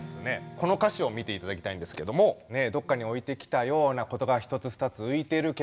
この歌詞を見て頂きたいんですけども「ねぇ、どっかに置いてきたような事が一つ二つ浮いているけど」